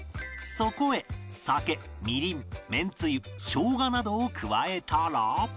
そこへ酒みりんめんつゆ生姜などを加えたら